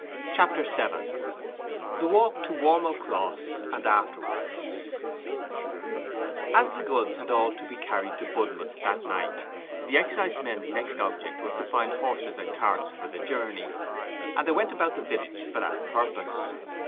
CHAPTER VII—THE WALK TO WARM'ELL CROSS AND AFTERWARDS As the goods had all to be carried to Budmouth that night, the excisemen's next object was to find horses and carts for the journey, and they went about the village for that purpose.